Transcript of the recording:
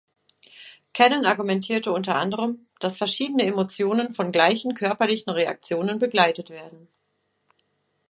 Cannon argumentierte unter anderem, dass verschiedene Emotionen von gleichen körperlichen Reaktionen begleitet werden.